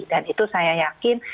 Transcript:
dan itu saya yakin